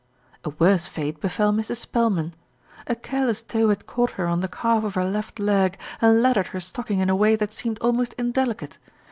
A worse fate befell Mrs. Spelman. A careless toe had caught her on the calf of her left leg, and laddered her stocking in a way that seemed almost indelicate.